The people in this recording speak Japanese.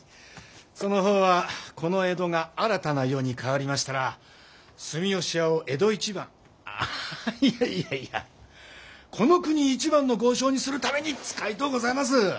そのほうはこの江戸が新たな世に替わりましたら住吉屋を江戸一番いやいやいやこの国一番の豪商にするために使いとうございます！